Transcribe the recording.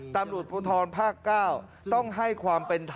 ตำหรุดพุทรภาคเก้าต้องให้ความเป็น